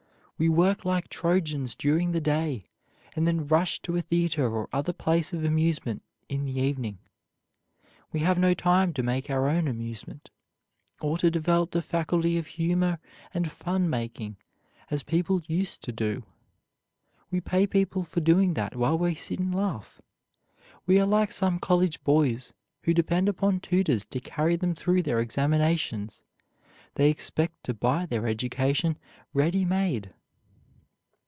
We work like Trojans during the day, and then rush to a theater or other place of amusement in the evening. We have no time to make our own amusement or to develop the faculty of humor and fun making as people used to do. We pay people for doing that while we sit and laugh. We are like some college boys, who depend upon tutors to carry them through their examinations they expect to buy their education ready made.